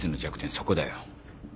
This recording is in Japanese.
そこだよ。